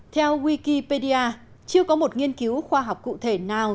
theo wikipedia chưa có một nghiên cứu khoa học cụ thể nào